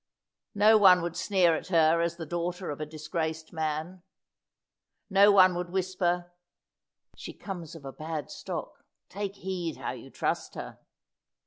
No one would sneer at her as the daughter of a disgraced man. No one would whisper, "She comes of a bad stock; take heed how you trust her."